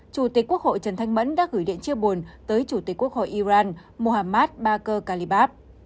chủ tịch quốc hội trần thanh mẫn đã gửi điện chia buồn tới chủ tịch quốc hội iran mohammad bakor kalibaba